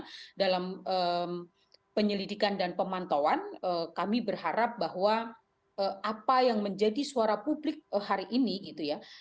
jadi dalam penyelidikan dan pemantauan kami berharap bahwa apa yang menjadi suara publik hari ini gitu ya